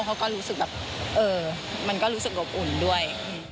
เขาก็รู้สึกแบบเออมันก็รู้สึกอบอุ่นด้วย